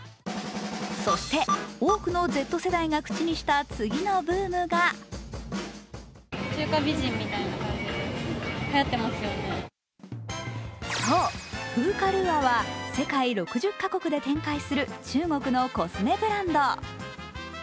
そして多くのＺ世代が口にした次のブームがそう、ＦＯＣＡＬＬＵＲＥは世界６０カ国で展開する中国のコスメブランド。